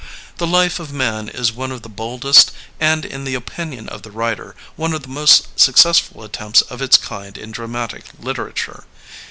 The Life of Man is one of the boldest and, in the opinion of the writer, one of the most successful attempts of its kind in dramatic literature.